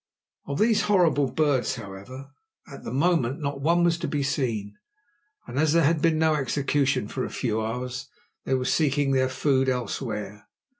Of these horrible birds, however, at the moment not one was to be seen. As there had been no execution for a few hours they were seeking their food elsewhere.